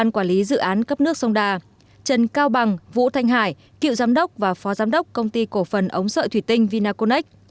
nguyễn cao bằng vũ thanh hải cựu giám đốc và phó giám đốc công ty cổ phần ống sợi thủy tinh vinaconex